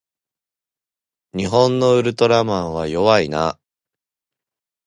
日本のウルトラマンは弱いな